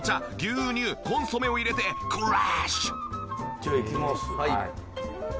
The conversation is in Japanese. じゃあいきます。